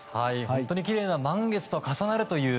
本当にきれいな満月と重なるという。